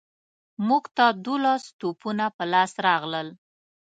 موږ ته دوولس توپونه په لاس راغلل.